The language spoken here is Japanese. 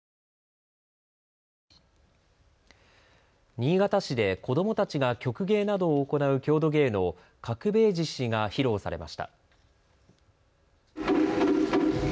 新潟市で子どもたちが曲芸などを行う郷土芸能、角兵衛獅子が披露されました。